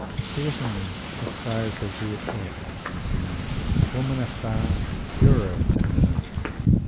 Certainly, as far as overt acts are concerned, women are far "purer" than men.